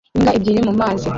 Imbwa ebyiri mumazi